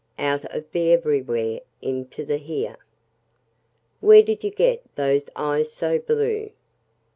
Out of the everywhere into the here. Where did you get those eyes so blue?